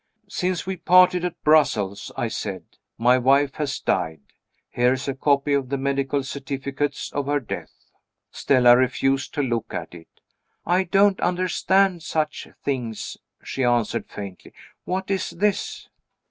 "Since we parted at Brussels," I said, "my wife has died. Here is a copy of the medical certificate of her death." Stella refused to look at it. "I don't understand such things," she answered faintly. "What is this?"